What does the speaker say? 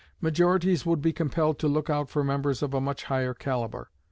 Majorities would be compelled to look out for members of a much higher calibre.